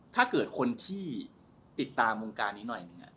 ถ้าเกิดคนที่ติดตามวงการนี้หน่อยหนึ่ง